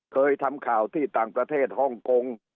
เคยทำข่าวที่ต่างประเทศฮ่องกง